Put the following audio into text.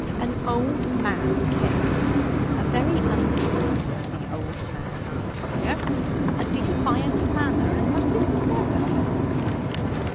'An old man came. A very untrustworthy old man, I fear. A defiant manner, and that is never pleasant.